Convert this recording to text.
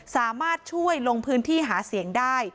สามารถช่วยลงพื้นที่หาเสียงได้